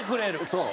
そう。